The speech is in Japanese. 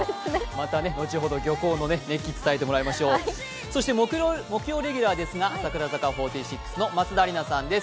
また後ほど漁港の熱気を伝えてもらいましょうそして木曜レギュラーですが櫻坂４６の松田里奈さんです。